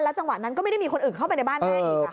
แล้วจังหวะนั้นก็ไม่ได้มีคนอื่นเข้าไปในบ้านได้อีกหรือ